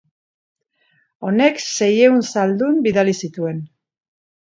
Honek seiehun zaldun bidali zituen.